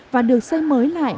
và được xây mới lại